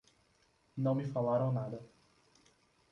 Não me falaram nada.